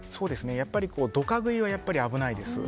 やっぱりドカ食いは危ないです。